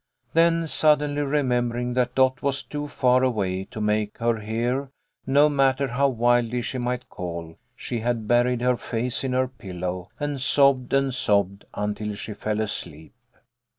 Then suddenly remember TO BARLE Y BRIGHT. " 49 ing that Dot was too far away to make her hear, no matter how wildly she might call, she had buried her face in her pillow, and sobbed and sobbed until she fell asleep.